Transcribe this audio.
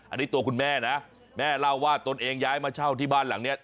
อันนี้ตัวคุณแม่นะแม่เล่าว่าตนเองย้ายมาเช่าที่บ้านหลังนี้